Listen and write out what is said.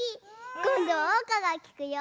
こんどはおうかがきくよ！